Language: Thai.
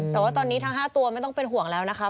แต่ว่าตอนนี้ทั้ง๕ตัวไม่ต้องเป็นห่วงแล้วนะคะ